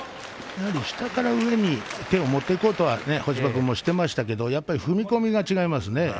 やはり下から上に手を持っていこうと干場君もしていましたけれども踏み込みが違いますね。